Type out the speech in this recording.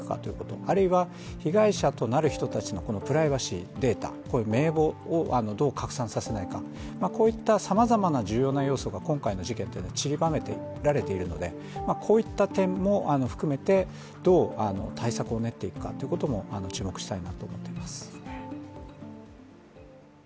あるいは、被害者となる人たちのプライバシーデータ、名簿をどう拡散させないか、こういったさまざまな重要な要素が今回の事件というのはちりばめられているのでこういった点も含めてどう対策を練っていくかっていうことも注目したいなと思ってます。